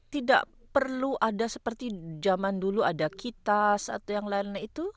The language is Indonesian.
tidak perlu ada seperti zaman dulu ada kitas atau yang lain lain itu